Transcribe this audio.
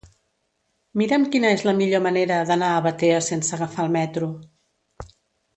Mira'm quina és la millor manera d'anar a Batea sense agafar el metro.